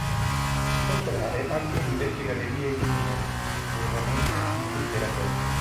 Si può trovare anche in vecchie gallerie e miniere, più raramente in brughiere aperte.